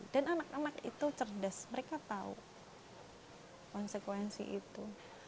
anak anak itu cerdas mereka tahu konsekuensi itu